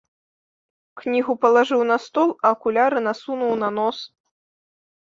Кнігу палажыў на стол, а акуляры насунуў на нос.